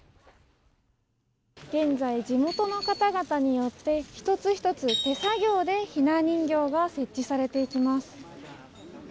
現在、地元の方々によって１つ１つ手作業でひな人形が設置されていきます。